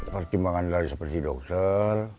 pertimbangan dari seperti dokter